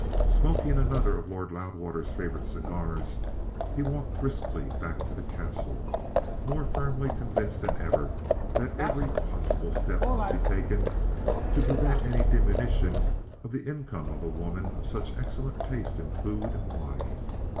Smoking another of Lord Loudwater's favourite cigars, he walked briskly back to the Castle, more firmly convinced than ever that every possible step must be taken to prevent any diminution of the income of a woman of such excellent taste in food and wine.